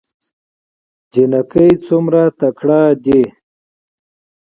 جينکۍ څومره تکړه دي